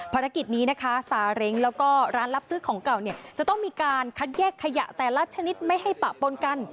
ภารกิจนี้นะคะซาเร้งแล้วก็ร้านรับซื้อของเก่าเนี่ยจะต้องมีการคัดแยกขยะแต่ละชนิดไม่ให้ปะปนกัน